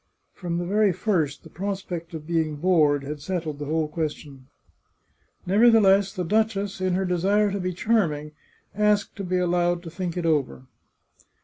From the very first, the prospect of being bored had set tled the whole question. Nevertheless the duchess, in her desire to be charming, asked to be allowed to think it over.